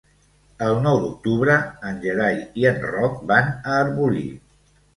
El nou d'octubre en Gerai i en Roc van a Arbolí.